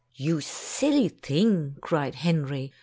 "You silly thing!" cried Henry.